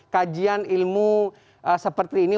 kajian ilmu seperti ini